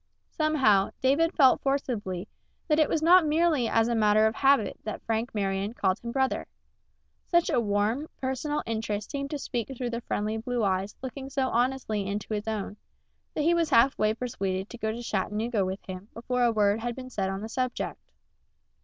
Somehow, David felt forcibly that it was not merely as a matter of habit that Frank Marion called him brother. Such a warm, personal interest seemed to speak through the friendly blue eyes looking so honestly into his own, that he was half way persuaded to go to Chattanooga with him before a word had been said on the subject.